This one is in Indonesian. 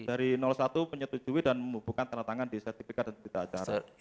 dari satu menyetujui dan membubuhkan tanda tangan di sertifikat dan berita acara